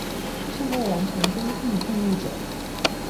尚未完成兵役義務者